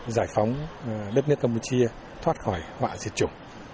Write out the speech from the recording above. giải phóng đất nước campuchia thoát khỏi họa diệt chủng